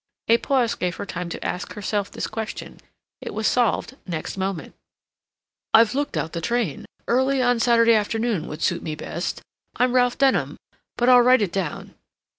A pause gave her time to ask herself this question. It was solved next moment. "I've looked out the train.... Early on Saturday afternoon would suit me best.... I'm Ralph Denham.... But I'll write it down...."